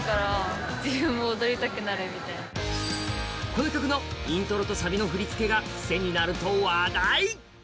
この曲のイントロとサビの振り付けがクセになると話題。